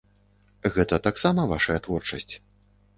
Гэта таксама вашая творчасць?